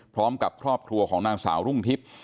พร้อมกับครอบครัวของนางสาวรุ่งทิพย์